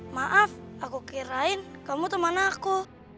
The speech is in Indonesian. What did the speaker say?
maaf aku kirain kamu teman aku